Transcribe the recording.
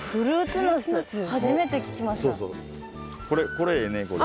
これええねこれ。